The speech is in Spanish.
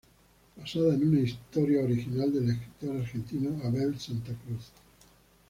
Basada en una historia original del escritor argentino Abel Santa Cruz.